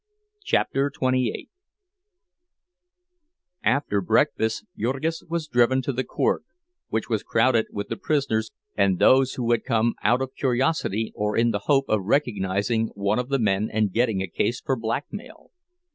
CHAPTER XXVIII After breakfast Jurgis was driven to the court, which was crowded with the prisoners and those who had come out of curiosity or in the hope of recognizing one of the men and getting a case for blackmail.